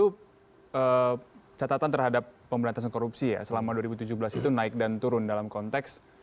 tentu catatan terhadap pemberantasan korupsi ya selama dua ribu tujuh belas itu naik dan turun dalam konteks